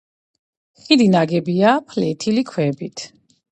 ხიდი ნაგებია ფლეთილი ქვებით.